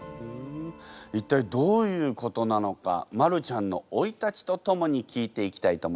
一体どういうことなのかマルちゃんの生い立ちとともに聞いていきたいと思います。